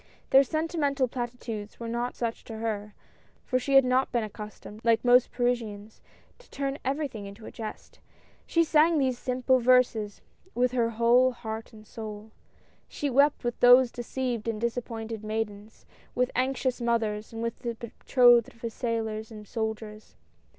Their sentimental platitudes were not such to her, for she had not been accustomed, like most Parisians, to turn everything into a jest. She sang those simple verses with her whole heart and soul. She wept with those deceived and disappointed maidens, with anxious mothers, and with the betrothed of sailors and soldiers.